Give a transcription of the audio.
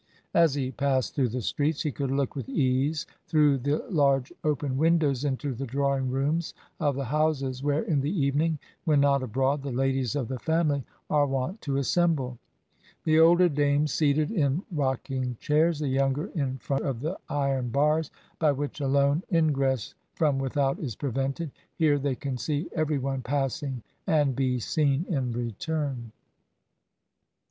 As he passed through the streets, he could look with ease through the large open windows into the drawing rooms of the houses, where in the evening, when not abroad, the ladies of the family are wont to assemble; the older dames seated in rocking chairs, the younger in front of the iron bars, by which alone ingress from without is prevented. Here they can see every one passing and be seen in return.